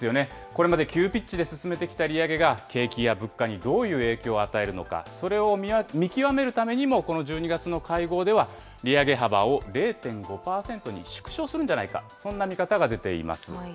これまで急ピッチで進めてきた利上げが景気や物価にどういう影響を与えるのか、それを見極めるためにも、この１２月の会合では利上げ幅を０．５％に縮小するんじゃないか、そんな見方が出ています。